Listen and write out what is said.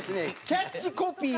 キャッチコピー？